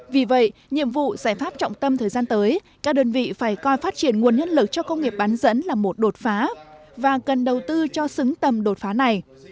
vì vậy nhiệm vụ giải pháp trọng tâm thời gian tới các đơn vị phải coi phát triển nguồn nhân lực cho công nghiệp bán dẫn là một đột phá và cần đầu tư cho xứng tầm đột phá này